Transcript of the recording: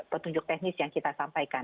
petunjuk teknis yang kita sampaikan